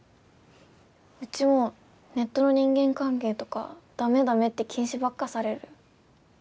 うちもネットの人間関係とかだめだめって禁止ばっかされる。